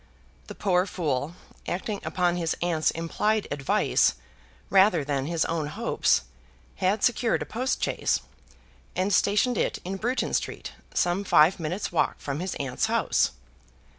The poor fool, acting upon his aunt's implied advice rather than his own hopes, had secured a post chaise, and stationed it in Bruton Street, some five minutes' walk from his aunt's house.